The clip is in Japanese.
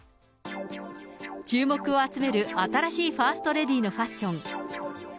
注目を集める新しいファーストレディーのファッション。